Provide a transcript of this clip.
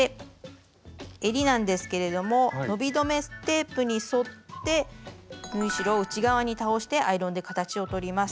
えりなんですけれども伸び止めテープに沿って縫い代を内側に倒してアイロンで形をとります。